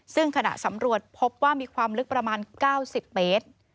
ซึ่งขณะสำรวจพบว่ามีความลึกประมาณ๙๐เมตร